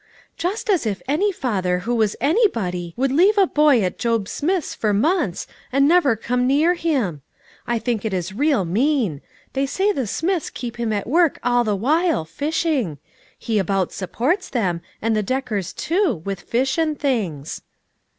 "Just as if any father who was anybody, would leave a boy at Job Smith's for months, and never come near him. I think it is real mean ; they say the Smiths keep him at work all the while, fishing ; he about supports them, and the Deckers too, with fish and things."